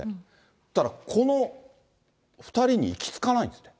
そうしたら、この２人に行き着かないんですって。